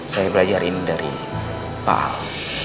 saya belajar ini dari pak al